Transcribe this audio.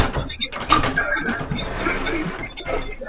Korgoth was listed with the explanation "too expensive".